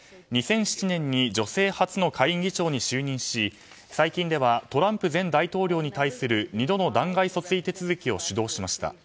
２００７年に女性初の下院議長に就任し最近ではトランプ前大統領に対する２度の弾劾訴追手続きを主導しました。